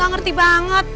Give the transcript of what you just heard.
gak ngerti banget